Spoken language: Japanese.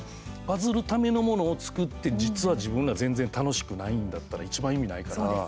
バズるためのものを作って実は自分ら全然楽しくないんだったらいちばん意味ないから。